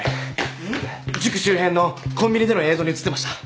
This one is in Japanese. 塾周辺のコンビニでの映像に写ってました。